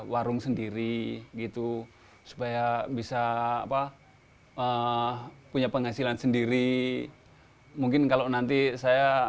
warung sendiri gitu supaya bisa apa punya penghasilan sendiri mungkin kalau nanti saya